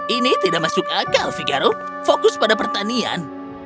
ini tidak masuk akal figaro fokus pada pertanian